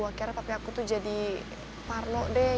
akhirnya papi aku tuh jadi parlo deh